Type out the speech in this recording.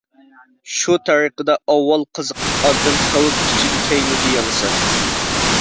شۇ تەرىقىدە ئاۋۋال قىزىقىپ ئاندىن خەۋپ ئىچىدە كەينىڭگە يانىسەن.